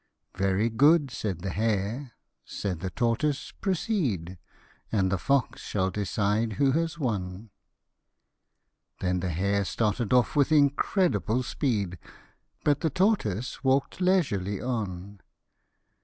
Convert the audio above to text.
'*" Very good/' said the hare ; said the tortoise, " Proceed, And the fox shall decide who has won." Then the hare started off with incredible speed ; But the tortoise walk'd leisurely on.